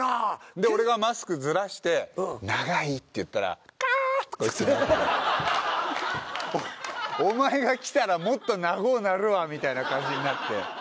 で俺がマスクずらして長いって言ったらカ！お前が来たらもっと長うなるわみたいな感じになって。